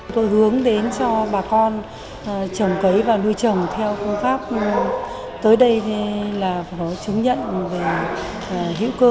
tôi hướng đến cho bà con trồng cấy và nuôi trồng theo phương pháp tới đây là phải có chứng nhận về hữu cơ